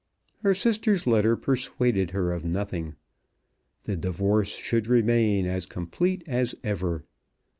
Her sister's letter persuaded her of nothing. The divorce should remain as complete as ever.